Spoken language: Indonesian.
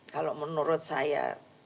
kalau menurut saya